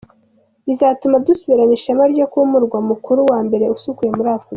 Bizatuma dusubirana ishema ryo kuba umurwa mukuru wa mbere usukuye muri Afurika.